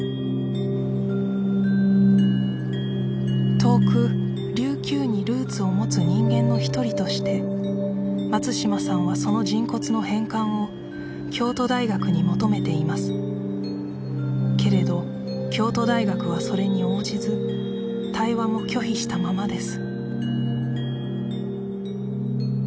遠く琉球にルーツを持つ人間の一人として松島さんはその人骨の返還を京都大学に求めていますけれど京都大学はそれに応じず対話も拒否したままです